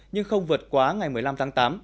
nhưng không vượt quá ngày một mươi năm tháng tám